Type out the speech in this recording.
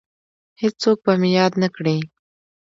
هیڅوک به مې یاد نه کړي